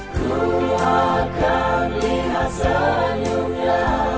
aku akan lihat senyumnya